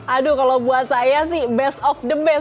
aduh kalau buat saya sih best of the best